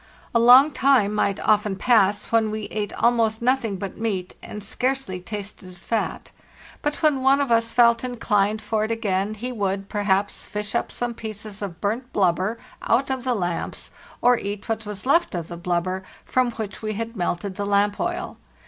A long time might often pass when we ate almost nothing but meat, and scarcely tasted fat; but when one of us LAND AT LAST 429 felt inclined for it again he would, perhaps, fish up some pieces of burnt blubber out of the lamps, or eat what was left of the blubber from which we had melted the Jamp oil.